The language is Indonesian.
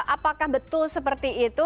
apakah betul seperti itu